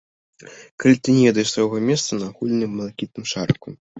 Калі ты не ведаеш свайго месца на агульным блакітным шарыку.